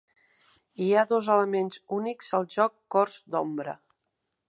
Hi ha dos elements únics al joc "Cors d'Ombra".